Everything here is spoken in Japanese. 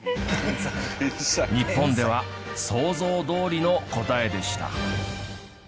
日本では想像どおりの答えでした。